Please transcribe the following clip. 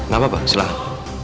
gak apa apa silahkan